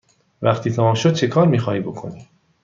وقتی تمام شد چکار می خواهی بکنی؟